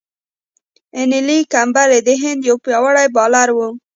انیل کمبلې د هند یو پياوړی بالر وو.